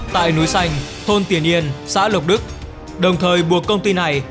tại núi xanh thôn tiền yên xã lộc đức đồng thời buộc công ty này